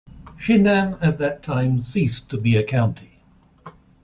Xin'an at that time ceased to be a county.